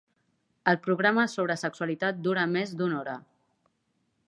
El programa sobre sexualitat dura més d'una hora.